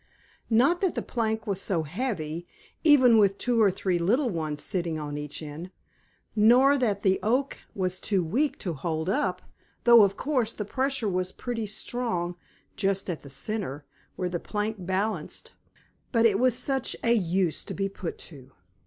Not that the plank was so heavy, even with two or three little ones sitting on each end, nor that the Oak was too weak to hold it up though, of course, the pressure was pretty strong just at the centre, where the plank balanced. But it was such a use to be put to!